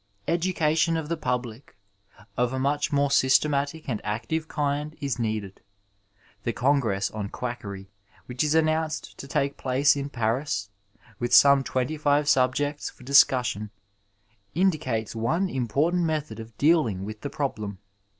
Education of the public of a much more systematic and active kind is needed. The congress on quackery which is announced to take place in Paris, with some twenty five subjects for discussion, indicates one important method of dealing with the problem.